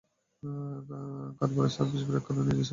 কারবারের service break করে পরে নিজের সার্ভিস আবার জিতে নিলেন কারবার।